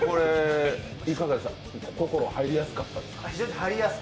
心、入りやすかったですか？